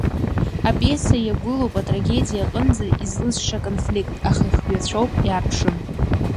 Апиеса иагәлоуп атрагедиа аҟнынӡа излыҵша аконфликт, аха ихҩацәоуп, иаарԥшым.